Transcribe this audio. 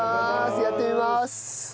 やってみます！